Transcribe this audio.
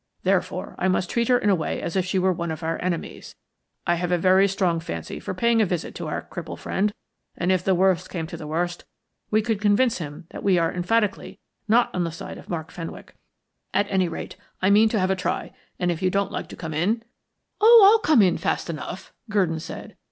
Therefore, I must treat her in a way as if she were one of our enemies. I have a very strong fancy for paying a visit to our cripple friend, and, if the worst came to the worst, we could convince him that we are emphatically not on the side of Mark Fenwick. At any rate, I mean to have a try, and if you don't like to come in " "Oh, I'll come in fast enough," Gurdon said.